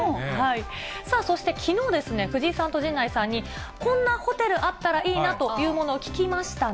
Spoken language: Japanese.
さあ、そしてきのうですね、藤井さんと陣内さんに、こんなホテルあったらいいなというものを聞きましたね？